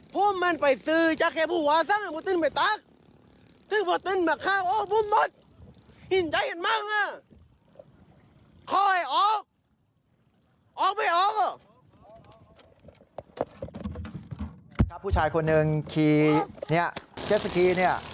ผู้ชายคนหนึ่งขีเจ็ดสกี